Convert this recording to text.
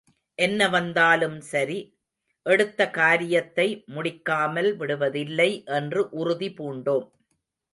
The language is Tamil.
என்ன வந்தாலும் சரி, எடுத்தகாரியத்தை முடிக்காமல் விடுவதில்லை என்று உறுதி பூண்டோம்.